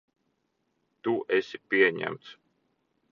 Tu esi pieņemts.